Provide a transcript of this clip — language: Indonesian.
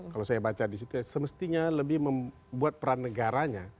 kalau saya baca disitu semestinya lebih membuat peran negaranya